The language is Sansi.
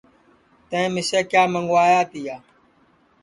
تیئں مِسے کیا منٚگوایا تیا